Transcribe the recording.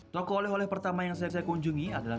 toko oleh oleh pertama yang saya kunjungi adalah